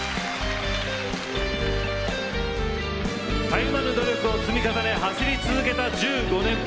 たゆまぬ努力を積み重ね走り続けた１５年。